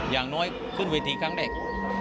อย่างน้อยขึ้นเวทีครั้งแรก